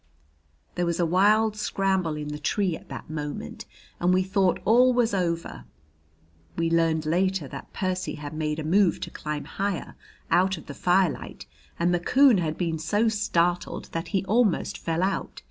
There was a wild scramble in the tree at that moment, and we thought all was over. We learned later that Percy had made a move to climb higher, out of the firelight, and the coon had been so startled that he almost fell out.